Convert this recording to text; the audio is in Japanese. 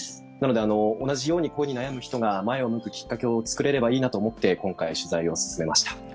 おなじように声に悩む人が前を向くきっかけを作れればいいなと思って今回、取材を進めました。